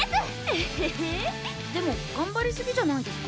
エヘヘでも頑張りすぎじゃないですか？